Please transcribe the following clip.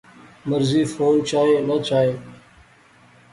مرضی فون چائیں نہ چائیں